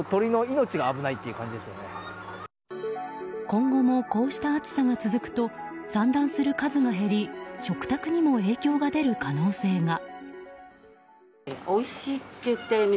今後もこうした暑さが続くと産卵する数が減り食卓にも影響が出る可能性が。